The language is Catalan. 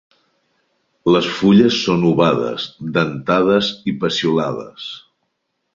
Les fulles són ovades dentades i peciolades.